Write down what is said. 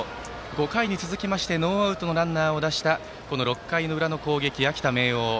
５回に続いてノーアウトのランナーを出した６回の裏の攻撃、秋田・明桜。